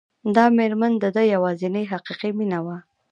دا مېرمن د ده يوازېنۍ حقيقي مينه وه.